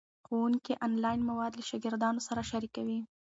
ښوونکي آنلاین مواد له شاګردانو سره شریکوي.